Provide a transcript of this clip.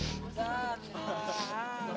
sampai jumpa lagi